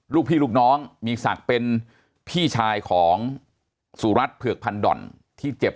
ลูกพี่ลูกน้องมีศักดิ์เป็นพี่ชายของสุรัตน์เผือกพันด่อนที่เจ็บ